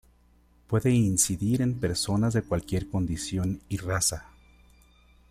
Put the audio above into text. Puede incidir en personas de cualquier condición y raza.